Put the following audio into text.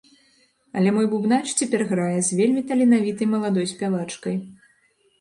Але мой бубнач цяпер грае з вельмі таленавітай маладой спявачкай.